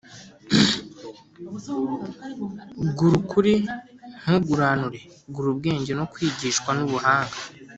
gura ukuri ntuguranure, gura ubwenge no kwigishwa n’ubuhanga